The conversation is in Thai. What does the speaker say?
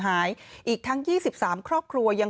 ก็ต้องรองกลับมาเพื่อให้ส่วนใหม่เป็นยาดของพ่อศาขา